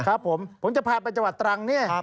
ครับผมผมจะพาไปจังหวัดตรังเนี่ย